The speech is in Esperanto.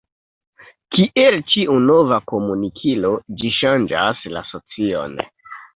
Kiel ĉiu nova komunikilo ĝi ŝanĝas la socion.